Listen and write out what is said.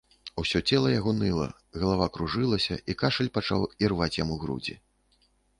Усё цела яго ныла, галава кружылася, і кашаль пачаў ірваць яму грудзі.